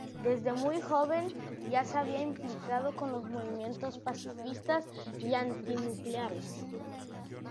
Desde muy joven ya se había implicado con los movimientos pacifistas y antinucleares.